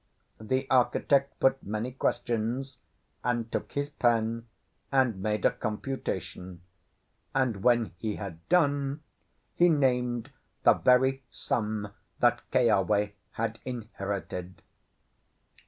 The architect put many questions, and took his pen and made a computation; and when he had done he named the very sum that Keawe had inherited.